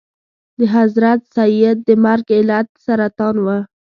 د حضرت سید د مرګ علت سرطان و.